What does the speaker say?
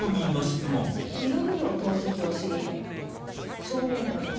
２度目の投石を知り少年たちを捜した。